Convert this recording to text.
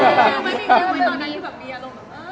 ไม่มีใครตอนใดมีอารมณ์แบบ